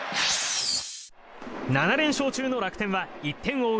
７連勝中の楽天は１点を追う